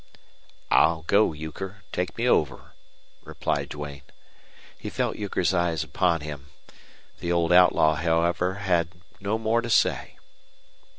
"I'll go, Euchre. Take me over," replied Duane. He felt Euchre's eyes upon him. The old outlaw, however, had no more to say.